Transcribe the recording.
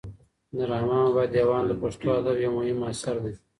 د رحمان بابا دېوان د پښتو ادب یو مهم اثر دی.